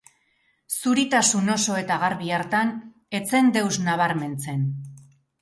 Zuritasun oso eta garbi hartan ez zen deus nabarmentzen.